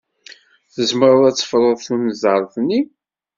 Tzemreḍ ad tefruḍ tunẓart-nni?